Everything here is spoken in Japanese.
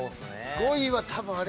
５位は多分あれ。